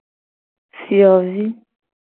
Fiovi.